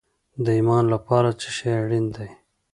د ایمان لپاره څه شی اړین دی؟